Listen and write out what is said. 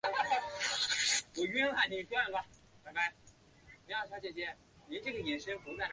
硬尖神香草为唇形科神香草属下的一个变种。